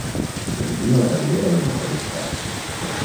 Pentina la cabellera del motorista.